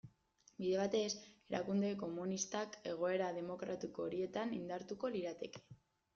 Bide batez, erakunde komunistak egoera demokratiko horietan indartuko lirateke.